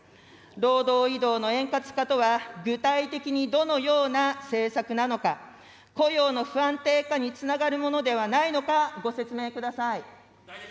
労働移動の円滑化とは、具体的にどのような政策なのか、雇用の不安定化につながるものではないのか、ご説明ください。